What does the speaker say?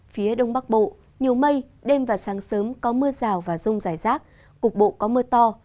phía đông bắc bộ nhiều mây đêm và sáng sớm có mưa rào và rông rải rác cục bộ có mưa to